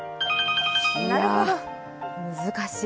なるほど、難しい。